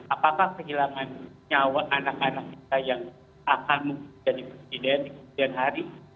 apakah kehilangan nyawa anak anak kita yang akan menjadi presiden di kemudian hari